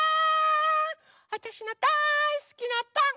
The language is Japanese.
わたしのだいすきなパン。